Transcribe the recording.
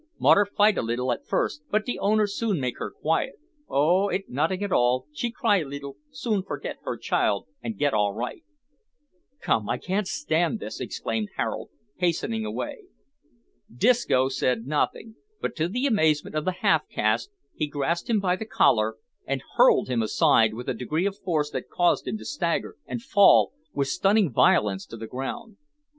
Modder fight a littil at first, but de owner soon make her quiet. Oh, it notting at all. She cry a littil soon forget her chile, an' get all right." "Come, I can't stand this," exclaimed Harold, hastening away. Disco said nothing, but to the amazement of the half caste, he grasped him by the collar, and hurled him aside with a degree of force that caused him to stagger and fall with stunning violence to the ground.